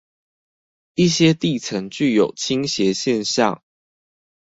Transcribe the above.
一些地層具有傾斜現象